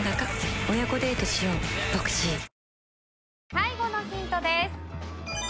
最後のヒントです。